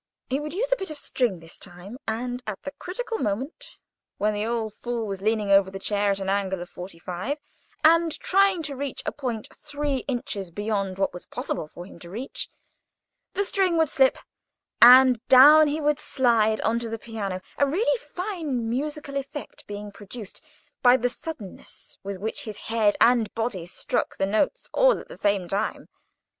He would use a bit of string this time, and at the critical moment, when the old fool was leaning over the chair at an angle of forty five, and trying to reach a point three inches beyond what was possible for him to reach, the string would slip, and down he would slide on to the piano, a really fine musical effect being produced by the suddenness with which his head and body struck all the notes at the same time.